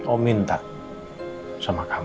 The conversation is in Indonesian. om minta sama kamu